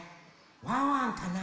ワンワンかな？